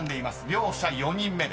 両者４人目です］